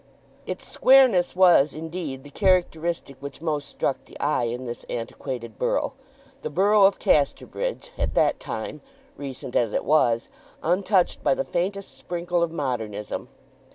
Its squareness was, indeed, the characteristic which most struck the eye in this antiquated borough, the borough of Casterbridge—at that time, recent as it was, untouched by the faintest sprinkle of modernism.